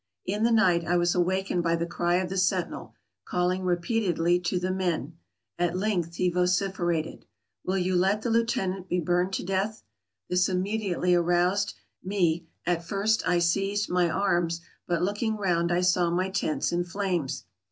In the night I was awakened by the cry of the sentinel, calling repeat edly to the men ; at length he vociferated, " Will you let the lieutenant be burned to death ?" This immediately aroused me; at first I seized my arms, but looking round, I saw my tents in flames.